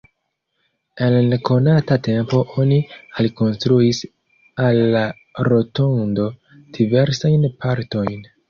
En nekonata tempo oni alkonstruis al la rotondo diversajn partojn.